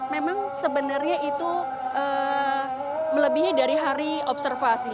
memang sebenarnya itu melebihi dari hari observasi